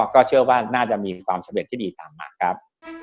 ก็เชื่อว่าน่าจะมีความโชคดีดีมากครับ